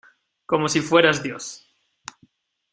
como si fueras Dios.